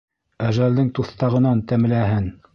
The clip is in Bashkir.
Әжәлдең туҫтағынан тәмләһен.